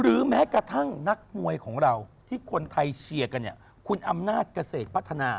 แม้กระทั่งนักมวยของเราที่คนไทยเชียร์กันเนี่ยคุณอำนาจเกษตรพัฒนา